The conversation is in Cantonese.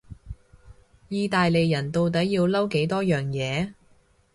意大利人到底要嬲幾多樣嘢？